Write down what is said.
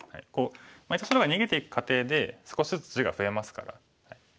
一応白が逃げていく過程で少しずつ地が増えますから。